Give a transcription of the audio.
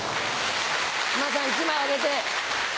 山田さん１枚あげて。